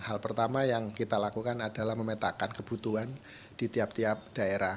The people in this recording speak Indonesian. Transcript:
hal pertama yang kita lakukan adalah memetakan kebutuhan di tiap tiap daerah